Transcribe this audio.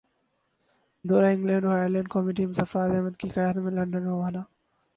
دورہ انگلینڈ اور ائرلینڈ قومی ٹیم سرفرازاحمد کی قیادت میں لندن روانہ